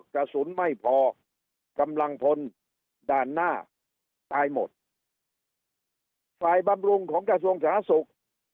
กระสุนไม่พอกำลังพลด่านหน้าตายหมดฝ่ายบำรุงของกระทรวงสาธารณสุข